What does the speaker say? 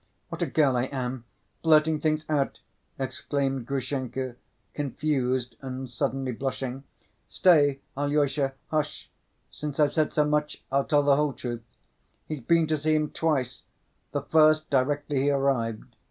What a girl I am! Blurting things out!" exclaimed Grushenka, confused and suddenly blushing. "Stay, Alyosha, hush! Since I've said so much I'll tell the whole truth—he's been to see him twice, the first directly he arrived.